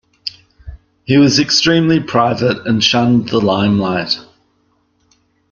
He was extremely private and shunned the limelight.